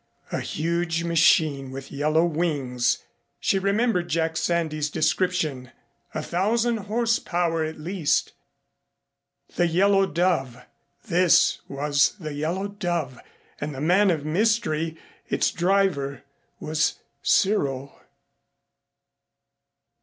"A huge machine with yellow wings," she remembered Jack Sandys' description, "a thousand horsepower at least." The Yellow Dove this was the Yellow Dove and the man of mystery, its driver, was Cyril.